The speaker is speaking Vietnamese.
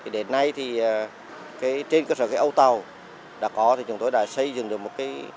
đến nay trên cơ sở ấu tàu đã có chúng tôi đã xây dựng được một cái